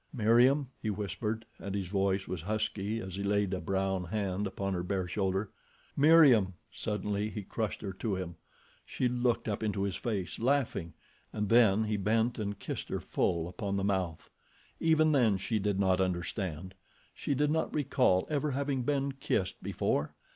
"Meriem," he whispered and his voice was husky as he laid a brown hand upon her bare shoulder. "Meriem!" Suddenly he crushed her to him. She looked up into his face, laughing, and then he bent and kissed her full upon the mouth. Even then she did not understand. She did not recall ever having been kissed before.